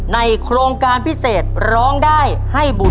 โครงการพิเศษร้องได้ให้บุญ